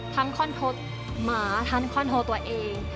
ทั้งคอนโทษหมาทั้งคอนโทษตัวเอง